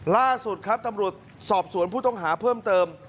ล่าสุดครับตำรวจสอบสวนผู้ต้องหาเพิ่มเติม